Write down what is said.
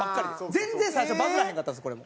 全然最初バズらへんかったんですこれも。